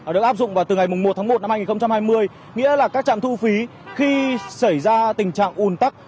được áp dụng vào từ ngày một tháng một năm hai nghìn hai mươi nghĩa là các trạm thu phí khi xảy ra tình trạng ùn tắc